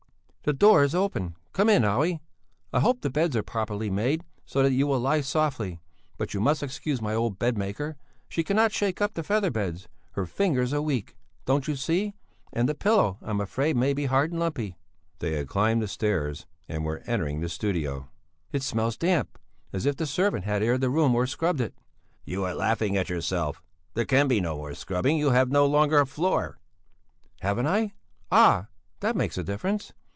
"The door is open, come in Olle! I hope the beds are properly made, so that you will lie softly; but you must excuse my old bed maker, she cannot shake up the feather beds; her fingers are weak, don't you see, and the pillow, I'm afraid, may be hard and lumpy." They had climbed the stairs and were entering the studio. "It smells damp, as if the servant had aired the room or scrubbed it." "You are laughing at yourself! There can be no more scrubbing, you have no longer a floor." "Haven't I? Ah! That makes a difference!